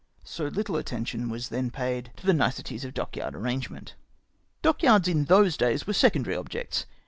So httle atten tion was then paid to the niceties of dockyard arrange ment. Dockyards in those days were secondary objects.